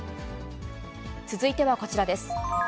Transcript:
続いてはこちらです。